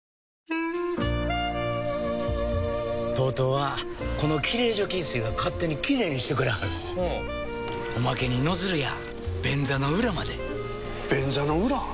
ＴＯＴＯはこのきれい除菌水が勝手にきれいにしてくれはるほうおまけにノズルや便座の裏まで便座の裏？